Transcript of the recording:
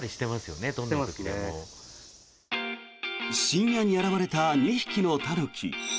深夜に現れた２匹のタヌキ。